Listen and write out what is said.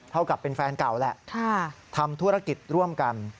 เท่ากับเป็นแฟนเก่าแหละทำธุรกิจร่วมกัน